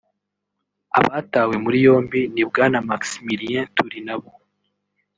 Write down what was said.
Abatawe muri yombi ni Bwana Maximilien Turinabo